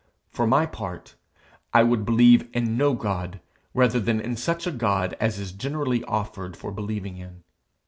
For my part, I would believe in no God rather than in such a God as is generally offered for believing in.